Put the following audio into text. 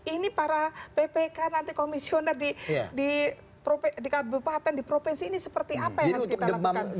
ini para ppk nanti komisioner di kabupaten di provinsi ini seperti apa yang harus kita lakukan